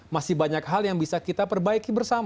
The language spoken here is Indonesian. masih banyak hal yang bisa kita perbaiki bersama